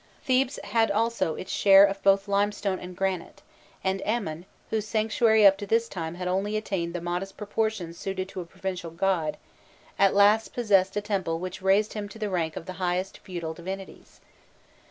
Thebes had also its share of both limestone and granite, and Amon, whose sanctuary up to this time had only attained the modest proportions suited to a provincial god, at last possessed a temple which raised him to the rank of the highest feudal divinities.